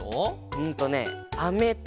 うんとねアメと。